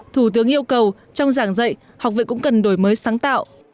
thủ tướng yêu cầu trong giảng dạy học viện cũng cần đổi mới sáng tạo